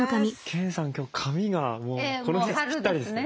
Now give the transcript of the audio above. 研さん今日髪がもうこの季節ぴったりですね。